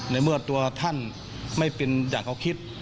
ในเมื่อตัวท่านไม่เป็นอย่างเขาคิด